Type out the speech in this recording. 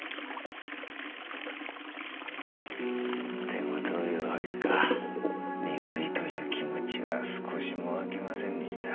でもどういう訳か憎いという気持ちは少しも湧きませんでした。